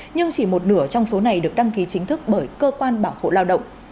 nhưng chỉ một nửa trong số này được đăng ký chính thức bởi cơ quan bảo hộ lao động